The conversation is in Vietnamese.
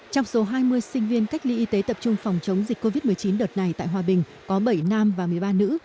trong số hai mươi sinh viên cách ly y tế tập trung phòng chống dịch covid một mươi chín đợt này tại hòa bình có bảy nam và một mươi ba nữ